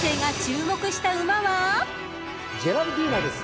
ジェラルディーナです！